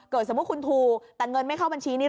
สมมุติคุณถูกแต่เงินไม่เข้าบัญชีนี้